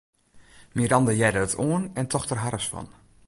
Miranda hearde it oan en tocht der harres fan.